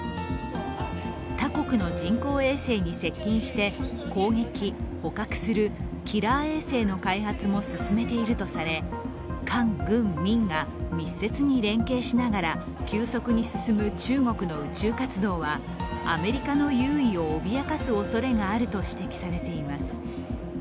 他国の人工衛星に接近して攻撃・捕獲するキラー衛星の開発も進めているとされ官・軍・民が密接に連携しながら急速に進む中国の宇宙活動はアメリカの優位を脅かすおそれがあると指摘されています。